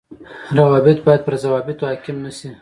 روابط باید پر ضوابطو حاڪم نشي